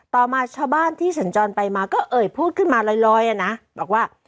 ต่อมาชาวบ้านที่สัญจรไปมาก็เอ่ยพูดขึ้นมาลอยอ่ะนะบอกว่า